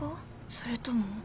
それとも。